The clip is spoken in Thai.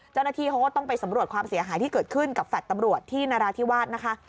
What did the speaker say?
เจ้าหน้าที่เขาก็ต้องไปสำรวจความเสียหายที่เกิดขึ้นกับแฟลต์ตำรวจที่นราธิวาสนะคะ